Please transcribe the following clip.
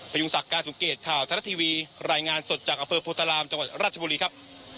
พยุงสักการณ์สูงเกตข่าวทรัฐทีวีรายงานสดจากอเฟิร์ดโภตรารามจังหวัดราชบุรีครับ